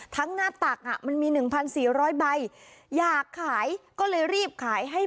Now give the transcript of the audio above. ทั้งหน้าตักมันมี๑๔๐๐ใบ